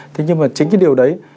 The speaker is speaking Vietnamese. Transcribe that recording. thế nhưng mà chính cái điều đấy